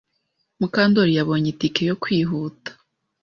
Mukandori yabonye itike yo kwihuta.